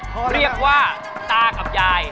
พ่อและแม่เรียกว่าตากับยาย